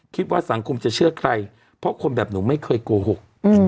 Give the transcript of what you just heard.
คิดว่าสังคมจะเชื่อใครเพราะคนแบบหนูไม่เคยโกหก